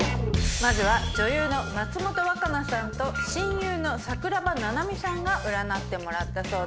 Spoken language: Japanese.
まずは女優の松本若菜さんと親友の桜庭ななみさんが占ってもらったそうです。